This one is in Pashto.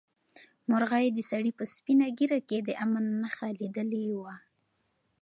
مرغۍ د سړي په سپینه ږیره کې د امن نښه لیدلې وه.